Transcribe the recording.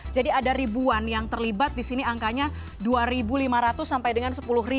jadi ada ribuan yang terlibat di sini angkanya dua lima ratus sampai dengan sepuluh